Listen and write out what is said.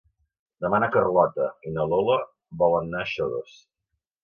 Demà na Carlota i na Lola volen anar a Xodos.